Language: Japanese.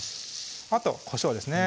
あとこしょうですね